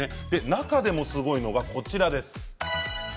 中でもすごいのが、こちらです。